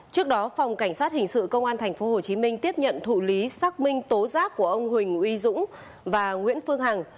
trước đó phòng cảnh sát hình sự công an tp hcm tiếp nhận thụ lý xác minh tố giác của ông huỳnh uy dũng và nguyễn phương hằng